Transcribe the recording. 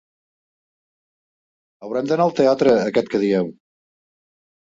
Haurem d'anar al teatre aquest que dieu.